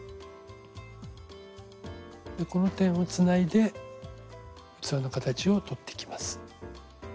この点をつないで器の形を取っていきます。